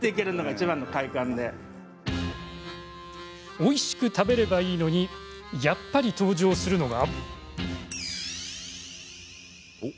おいしく食べればいいのにやっぱり登場するのが。